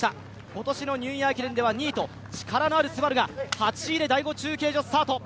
今年のニューイヤー駅伝では２位と力のあるＳＵＢＡＲＵが８位で第５中継所をスタート。